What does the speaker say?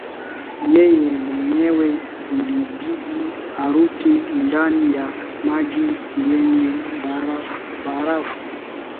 yeye mwenyewe ilibidi aruke ndani ya maji yenye barafu